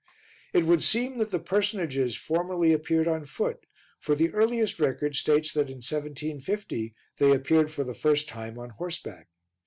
It would seem that the personages formerly appeared on foot, for the earliest record states that in 1750 they appeared for the first time on horseback.